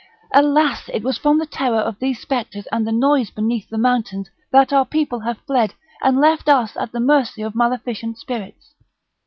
Alas! it was from the terror of these spectres and the noise beneath the mountains, that our people have fled, and left us at the mercy of maleficent spirits!"